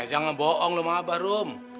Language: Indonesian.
eh jangan bohong lo mah abah rom